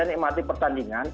ini mati pertandingan